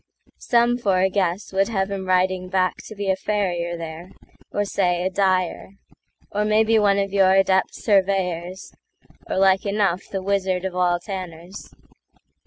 Some, for a guess, would have him riding backTo be a farrier there, or say a dyer; Or maybe one of your adept surveyors; Or like enough the wizard of all tanners.